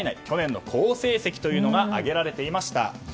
去年の好成績が挙げられていました。